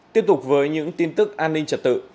tiếp tục với những tin tức an ninh trật tự